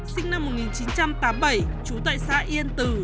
sinh năm một nghìn chín trăm tám mươi bảy trú tại xã yên tử